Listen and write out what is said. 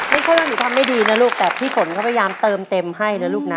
ไม่ใช่ว่าหนูทำได้ดีนะลูกแต่พี่ฝนก็พยายามเติมเต็มให้นะลูกนะ